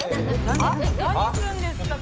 何すんですか？